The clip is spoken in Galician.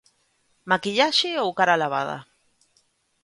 Maquillaxe ou cara lavada?